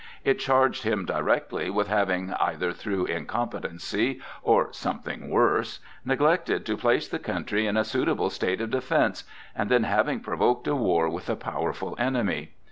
It charged him directly with having, either through incompetency or something worse, neglected to place the country in a suitable state of defence, and then having provoked a war with a powerful enemy.